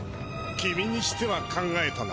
君にしては考えたな。